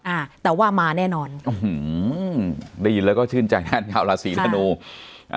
อ่าแต่ว่ามาแน่นอนอื้อหือได้ยินแล้วก็ชื่นใจแทนชาวราศีธนูอ่า